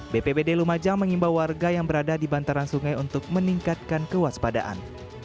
bpbd lumajang mengimbau warga yang berada di bantaran sungai untuk meningkatkan kewaspadaan